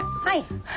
はい。